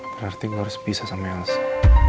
berarti gue harus pisah sama elsa